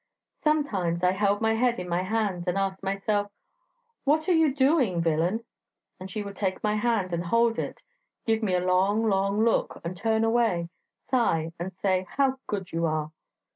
Sometimes I held my head in my hands, and asked myself, "What are you doing, villain?"... And she would take my hand and hold it, give me a long, long look, and turn away, sigh, and say, 'How good you are!'